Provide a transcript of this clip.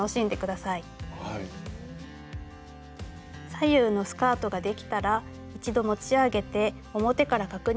左右のスカートができたら一度持ち上げて表から確認してみましょう。